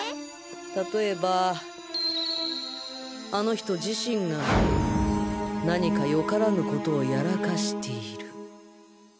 例えばあの人自身が何かよからぬことをやらかしている。